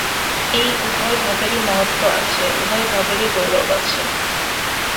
এই উভয় ভাবেরই মহত্ত্ব আছে, উভয় ভাবেরই গৌরব আছে।